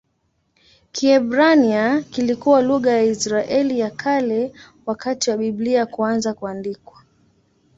Kiebrania kilikuwa lugha ya Israeli ya Kale wakati wa Biblia kuanza kuandikwa.